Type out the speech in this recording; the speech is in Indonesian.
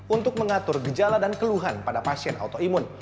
untuk mengatur gejala dan keluhan pada pasien autoimun